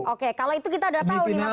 oke kalau itu kita sudah tahu nih mas akmal